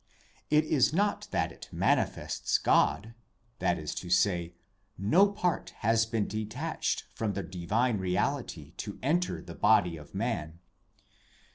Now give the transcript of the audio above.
It is not that it manifests God that is to say, no part has been detached from the Divine Reality to enter the body of man.